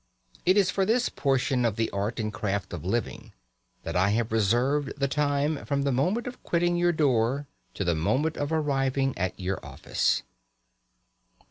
It is for this portion of the art and craft of living that I have reserved the time from the moment of quitting your door to the moment of arriving at your office.